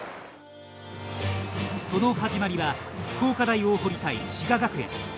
その始まりは福岡大大濠対滋賀学園。